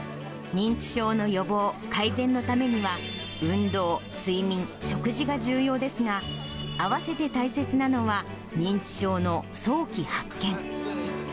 認知症の予防・改善のためには、運動、睡眠、食事が重要ですが、併せて大切なのは、認知症の早期発見。